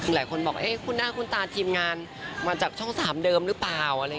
หลายคนบอกคุณหน้าคุณตาทีมงานมาจากช่อง๓เดิมหรือเปล่า